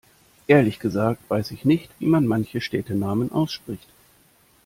Ehrlich gesagt weiß ich nicht wie man manche Städtenamen ausspricht.